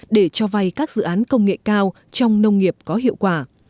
để cho vay các dự án công nghệ cao trong nông nghiệp có hiệu quả